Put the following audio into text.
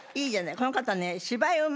この方ね。